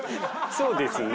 「そうですね」。